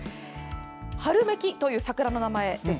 春めきという桜の名前らしいです。